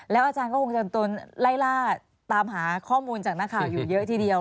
อาจารย์ก็คงจะไล่ล่าตามหาข้อมูลจากนักข่าวอยู่เยอะทีเดียว